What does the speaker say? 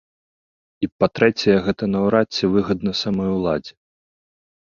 І па-трэцяе, гэта наўрад ці выгадна самой уладзе.